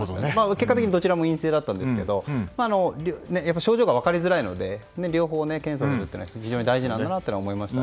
結果的にどちらも陰性でしたが症状が分かりづらいので両方検査するというのは非常に大事だなと思いました。